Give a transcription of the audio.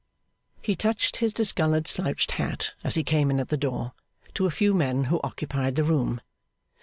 He touched his discoloured slouched hat, as he came in at the door, to a few men who occupied the room.